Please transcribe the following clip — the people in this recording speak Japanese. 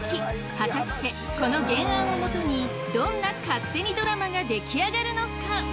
果たしてこの原案をもとにどんな勝手にドラマが出来上がるのか？